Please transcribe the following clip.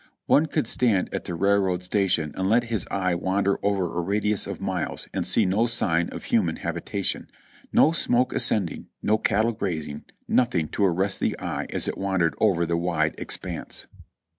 One could stand at the rail road station and let his eye wander over a radius of miles and see no sign of human habitation, no smoke ascending, no cattle grazing, nothing to arrest the eye as it wandered over the wide expanse.